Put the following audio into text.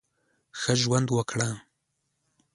ښه ژوند وکړه !